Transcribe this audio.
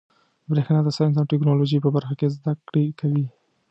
برېښنا د ساینس او ټيکنالوجۍ په برخه کي زده کړي کوي.